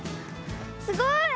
すごい。